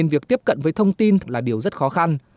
việc tiếp cận với thông tin là điều rất khó khăn